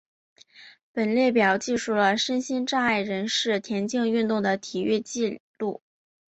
本列表记述了身心障碍人士田径运动的体育纪录。